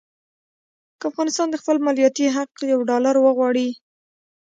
که افغانستان د خپل مالیاتي حق یو ډالر وغواړي.